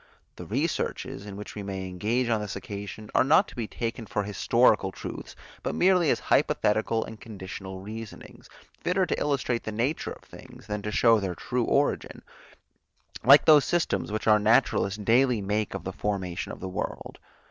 The researches, in which we may engage on this occasion, are not to be taken for historical truths, but merely as hypothetical and conditional reasonings, fitter to illustrate the nature of things, than to show their true origin, like those systems, which our naturalists daily make of the formation of the world.